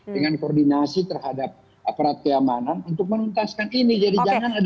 dengan koordinasi terhadap aparat keamanan untuk menuntaskan ini jadi jangan ada